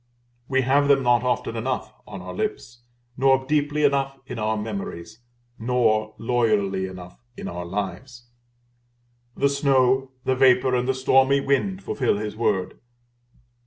We have them not often enough on our lips, nor deeply enough in our memories, nor loyally enough in our lives. The snow, the vapor, and the stormy wind fulfil His word.